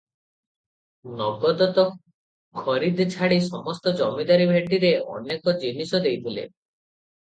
ନଗଦ ତ ଖରିଦ ଛାଡ଼ି ସମସ୍ତ ଜମିଦାରୀ ଭେଟିରେ ଅନେକ ଜିନିଷ ଦେଇଥିଲେ ।